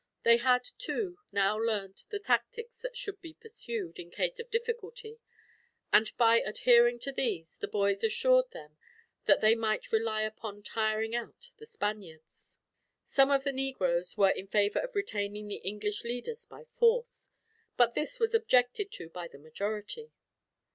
They had, too, now learned the tactics that should be pursued, in case of difficulty; and by adhering to these, the boys assured them that they might rely upon tiring out the Spaniards. Some of the negroes were in favor of retaining the English leaders by force, but this was objected to by the majority.